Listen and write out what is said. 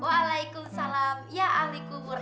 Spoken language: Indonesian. waalaikumsalam ya alaikumur